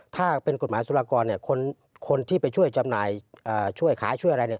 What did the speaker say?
ถ้าเป็นกฎหมายสุรากรคนที่ไปช่วยจำหน่ายช่วยขายช่วยอะไรเนี่ย